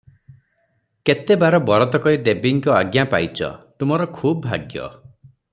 କେତେ ବାର ବରତ କରି ଦେବୀଙ୍କ ଆଜ୍ଞା ପାଇଚ, ତୁମର ଖୁବ୍ ଭାଗ୍ୟ ।